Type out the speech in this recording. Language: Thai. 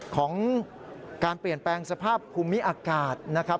ของการเปลี่ยนแปลงสภาพภูมิอากาศนะครับ